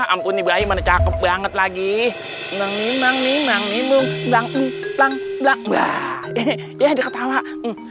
ampuni bayi mana cakep banget lagi memang memang memang memang bangkang